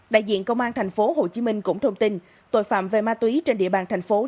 đại diện công an tp hcm cũng thông tin tội phạm về ma túy trên địa bàn tp hcm